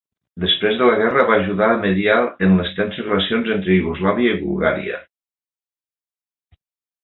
Després de la guerra va ajudar a mediar en les tenses relacions entre Iugoslàvia i Bulgària.